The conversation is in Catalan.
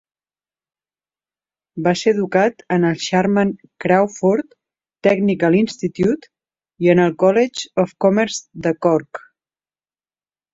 Va ser educat en el Sharman Crawford Technical Institute i en el College of Commerce de Cork.